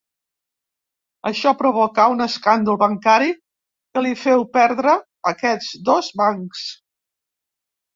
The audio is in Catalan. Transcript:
Això provocà un escàndol bancari que li féu perdre aquests dos bancs.